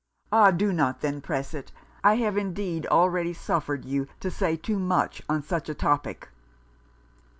Ah! do not then press it. I have indeed already suffered you to say too much on such a topic.'